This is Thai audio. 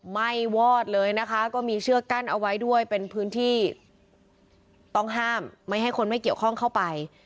้วอดเลยนะคะก็มีเชือกกั้นเอาไว้ด้วยเป็นพื้นที่ต้องห้ามไม่ให้คนไม่เกี่ยวข้องเข้าไป